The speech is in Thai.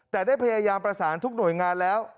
แต่ได้พยายามประสานทุกหน่วยงานแล้ว